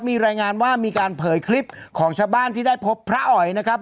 มีรายงานว่ามีการเผยคลิปของชาวบ้านที่ได้พบพระอ๋อยนะครับ